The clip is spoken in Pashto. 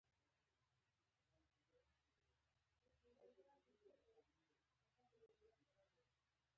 افغانستان د تېرو جګړو په کلونو کې د تباهیو ډګر و.